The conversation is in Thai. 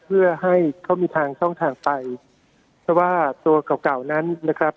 เพื่อให้เขามีทางช่องทางไปเพราะว่าตัวเก่าเก่านั้นนะครับ